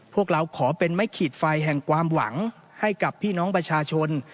พวกเราขอเป็นไม้ขีดไฟแห่งความหวังให้กับพี่น้องประชาชน